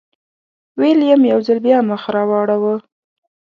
ویلیم یو ځل بیا مخ راواړوه.